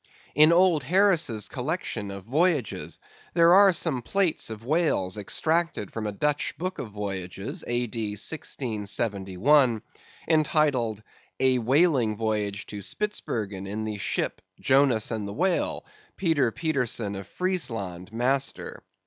In old Harris's collection of voyages there are some plates of whales extracted from a Dutch book of voyages, A.D. 1671, entitled "A Whaling Voyage to Spitzbergen in the ship Jonas in the Whale, Peter Peterson of Friesland, master."